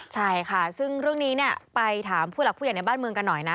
ใช่ค่ะซึ่งเรื่องนี้ไปถามผู้หลักผู้ใหญ่ในบ้านเมืองกันหน่อยนะ